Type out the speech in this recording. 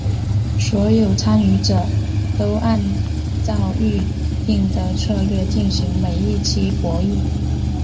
所有参与者都按照预定的策略进行每一期博弈。